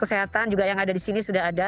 kesehatan juga yang ada di sini sudah ada